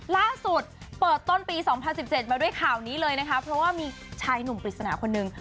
ล่าสุดเปิดต้นปี๒๐๑๗มาด้วยข่าวนี้เลยนะคะเพราะว่ามีชายหนุ่มปริศนาคนนึง